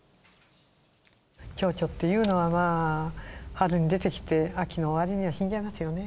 チョウチョウっていうのは、春に出てきて秋の終わりには死んじゃいますよね。